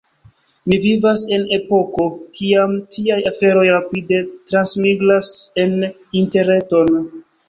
Ni vivas en epoko, kiam tiaj aferoj rapide transmigras en Interreton.